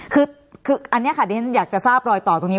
คืออันนี้ค่ะที่ฉันอยากจะทราบรอยต่อตรงนี้